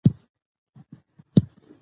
ځمکه د افغانستان د اجتماعي جوړښت برخه ده.